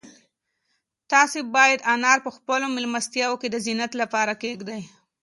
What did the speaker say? تاسو باید انار په خپلو مېلمستیاوو کې د زینت لپاره کېږدئ.